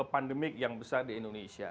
pandemik yang besar di indonesia